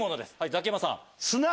ザキヤマさん。